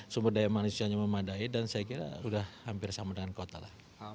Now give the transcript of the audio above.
sumber daya manusia sudah memadai dan saya kira sudah hampir sama dengan kota